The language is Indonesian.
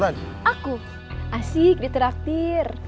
aku asik diteraktir